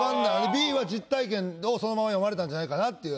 Ｂは実体験をそのまま詠まれたんじゃないかなっていう。